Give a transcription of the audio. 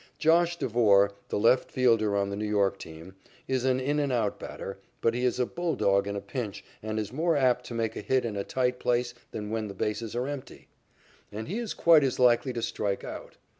"Josh" Devore, the left fielder on the New York team, is an in and out batter, but he is a bulldog in a pinch and is more apt to make a hit in a tight place than when the bases are empty. And he is quite as likely to strike out.